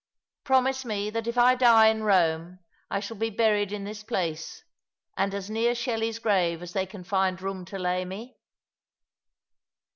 Promise me that if I die in Eome I shall be buried in this place, and as near Shelley's grave as they can find room to lay me."